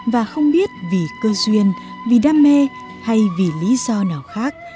và không biết vì cơ duyên vì đam mê hay vì lý do nào khác